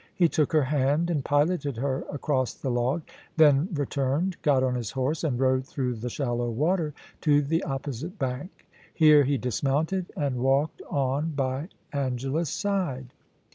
He took her hand and piloted her across the log, then returned, got on his horse, and rode through the shallow water to the opposite bank ; here he dismounted and walked on by Angela's side.